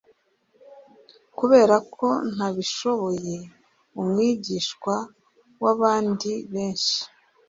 Kubera ko ntabishoboye umwigishwa wabandi benshi